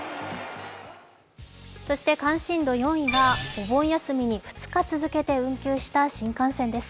関心度４位がお盆休みに２日続けて運休した新幹線です。